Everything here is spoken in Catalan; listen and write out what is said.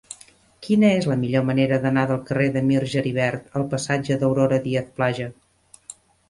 Quina és la millor manera d'anar del carrer de Mir Geribert al passatge d'Aurora Díaz Plaja?